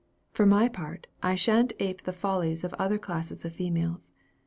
For my part, I sha'n't ape the follies of other classes of females.